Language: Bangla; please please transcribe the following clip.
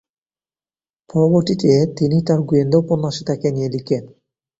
পরবর্তীতে তিনি তার গোয়েন্দা উপন্যাসে তাকে নিয়ে লিখেন।